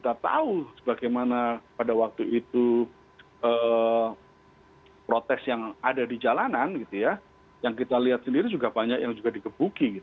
dan kita tahu sebagaimana pada waktu itu protes yang ada di jalanan yang kita lihat sendiri juga banyak yang juga dikebuki